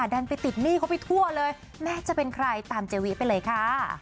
ดันไปติดหนี้เขาไปทั่วเลยแม่จะเป็นใครตามเจวิไปเลยค่ะ